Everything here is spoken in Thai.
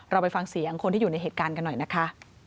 ไปฟังเสียงคนที่อยู่ในเหตุการณ์กันหน่อยนะคะ